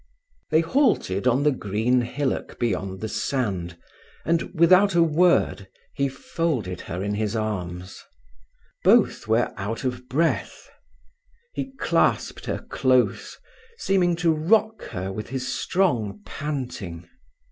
They halted on the green hillock beyond the sand, and, without a word, he folded her in his arms. Both were put of breath. He clasped her close, seeming to rock her with his strong panting.